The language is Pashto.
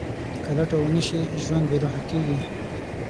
که لټه ونه شي، ژوند بېروح کېږي.